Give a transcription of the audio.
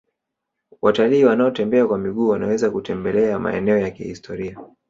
watalii wanaotembea kwa miguu wanaweza kutembelea maeneo ya kihistoria